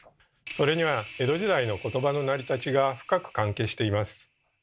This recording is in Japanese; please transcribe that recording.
それには江戸時代の言葉の成り立ちが深く関係しています。